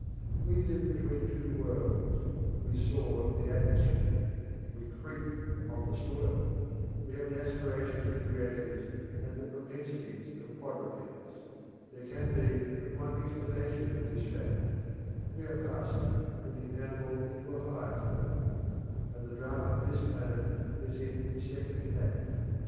We live between two worlds; we soar in the atmosphere; we creep upon the soil; we have the aspirations of creators and the propensities of quadrupeds. There can be but one explanation of this fact. We are passing from the animal into a higher form; and the drama of this planet is in its second act.